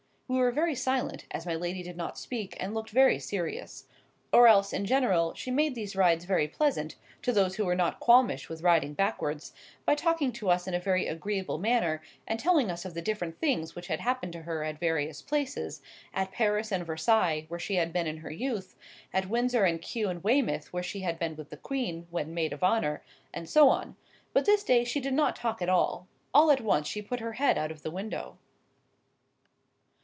We were very silent, as my lady did not speak, and looked very serious. Or else, in general, she made these rides very pleasant (to those who were not qualmish with riding backwards), by talking to us in a very agreeable manner, and telling us of the different things which had happened to her at various places,—at Paris and Versailles, where she had been in her youth,—at Windsor and Kew and Weymouth, where she had been with the Queen, when maid of honour—and so on. But this day she did not talk at all. All at once she put her head out of the window.